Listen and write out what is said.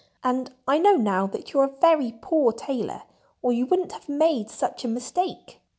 "And I know now that you're a very poor tailor, or you wouldn't have made such a mistake."